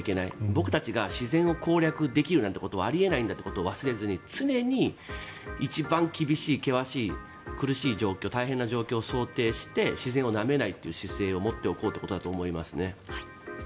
僕たちが自然を攻略できるなんてことはあり得ないんだってことを忘れずに常に一番険しい、苦しい大変な状況を想定して自然をなめないという姿勢を持っておこうということだと思いますね。